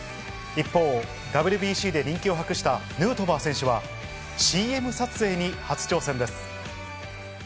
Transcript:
一方、ＷＢＣで人気を博したヌートバー選手は、ＣＭ撮影に初挑戦です。